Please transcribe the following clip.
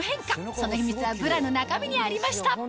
その秘密はブラの中身にありました